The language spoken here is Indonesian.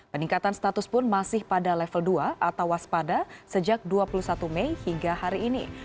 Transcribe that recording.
peningkatan status pun masih pada level dua atau waspada sejak dua puluh satu mei hingga hari ini